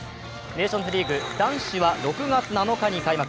ネーションズリーグ男子は６月７日に開幕。